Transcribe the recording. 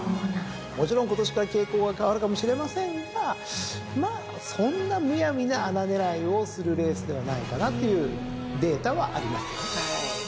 もちろん今年から傾向が変わるかもしれませんがまあそんなむやみな穴狙いをするレースではないかなというデータはありますよね。